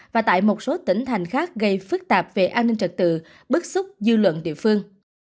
và tại một số tỉnh thành khác gây phức tạp về an ninh trật tự bức xúc dư luận địa phương